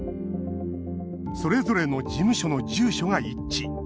それぞれの事務所の住所が一致。